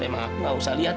kamu gak usah liat